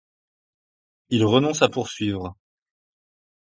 Il renonce à poursuivre.